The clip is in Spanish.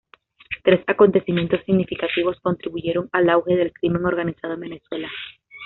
Tres acontecimientos significativos contribuyeron al auge del crimen organizado en Venezuela.